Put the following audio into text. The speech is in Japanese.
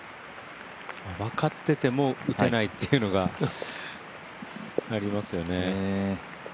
分かってても打てないっていうのがありますよね。